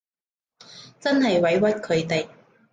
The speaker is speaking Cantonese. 真係委屈佢哋